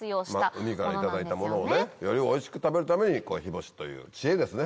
海から頂いたものをねよりおいしく食べるために日干しという知恵ですね。